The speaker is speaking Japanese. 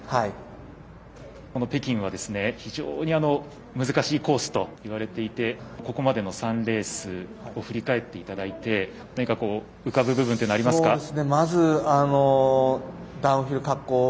この北京は、非常に難しいコースと言われていてここまでの３レースを振り返っていただいて何が浮かぶ部分はありますか？